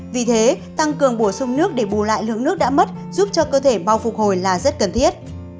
vì thế tăng cường bổ sung nước để bù lại lượng nước đã mất giúp cho cơ thể bao phục hồi là rất cần thiết